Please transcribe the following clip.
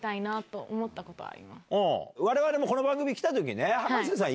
我々もこの番組来た時ね。